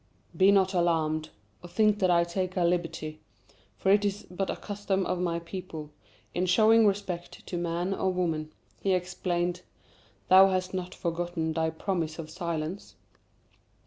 "Be not alarmed, or think that I take a liberty, for it is but a custom of my people, in showing respect to man or woman," he explained. "Thou hast not forgotten thy promise of silence?"